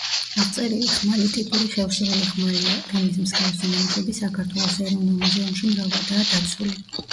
აღწერილი ხმალი ტიპური ხევსურული ხმალია, რომლის მსგავსი ნიმუშები საქართველოს ეროვნულ მუზეუმში მრავლადაა დაცული.